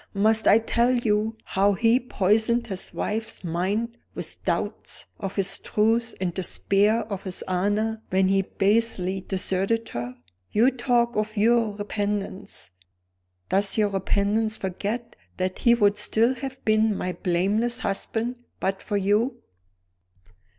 Must I tell you how he poisoned his wife's mind with doubts of his truth and despair of his honor, when he basely deserted her? You talk of your repentance. Does your repentance forget that he would still have been my blameless husband but for you?"